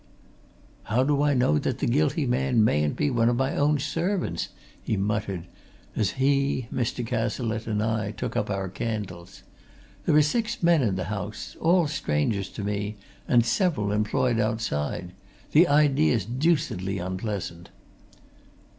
"How do I know that the guilty man mayn't be one of my own servants?" he muttered, as he, Mr. Cazalette and I took up our candles. "There are six men in the house all strangers to me and several employed outside. The idea's deucedly unpleasant!"